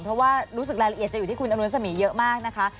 เพราะว่ารู้สึกรายละเอียดจะอยู่ที่คุณอำรุษมีเยอะมากนะคะ